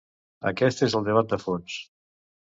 Aquest és el debat de fons.